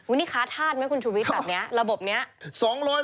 นี่ค้าธาตุไหมคุณชุวิตแบบนี้ระบบนี้